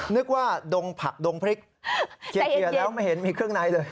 นึกว่าดงผักดงพริกเคลียร์แล้วไม่เห็นมีเครื่องในเลย